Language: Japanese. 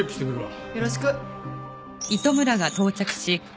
よろしく。